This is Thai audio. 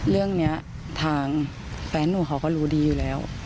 เรื่องนี้ทางแฟนหนูเขาก็รู้ดีอยู่แล้ว